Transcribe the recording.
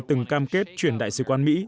từng cam kết chuyển đại sứ quan mỹ